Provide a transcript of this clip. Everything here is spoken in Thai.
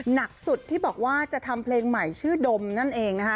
หนักสุดที่บอกว่าจะทำเพลงใหม่ชื่อดมนั่นเองนะคะ